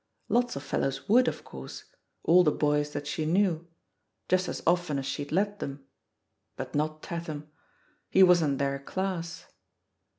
Lots of fellows would, of course — all the boys that she knew — ^just as often as she'd let them, but not Tatham. He wasn't their class.